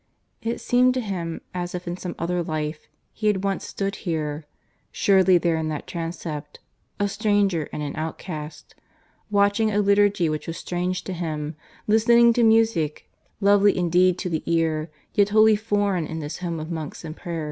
It seemed to him as if in some other life he had once stood here surely there in that transept a stranger and an outcast watching a liturgy which was strange to him, listening to music, lovely indeed to the ear, yet wholly foreign in this home of monks and prayer.